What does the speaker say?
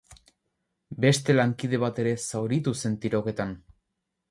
Beste lankide bat ere zauritu zen tiroketan.